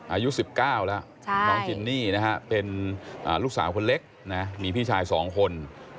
อายุ๑๙แล้วน้องจินนี่นะฮะเป็นลูกสาวคนเล็กนะมีพี่ชาย๒คน